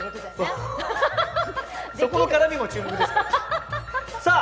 そうそこの絡みも注目ですからさあ